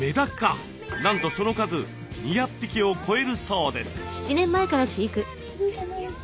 なんとその数２００匹を超えるそうです。